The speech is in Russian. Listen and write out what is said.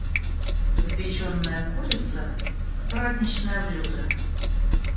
Запеченная курица - праздничное блюдо.